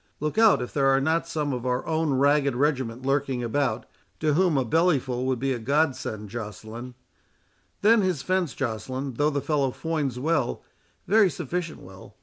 Look out if there are not some of our own ragged regiment lurking about, to whom a bellyful would be a God send, Joceline. Then his fence, Joceline, though the fellow foins well, very sufficient well.